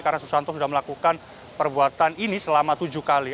karena susanto sudah melakukan perbuatan ini selama tujuh kali